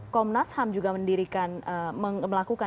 komnasam juga melakukan